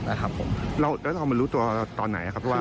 ครับผมตอนนี้เราเอามารู้ตัวตอนไหนครับ